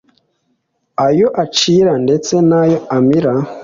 ayo acira ndetse nayo amira